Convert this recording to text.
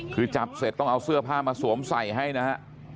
คือจับเสร็จต้องเอาเสื้อผ้ามาสวมใส่ให้นะฮะ